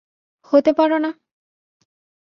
হতে পারো না।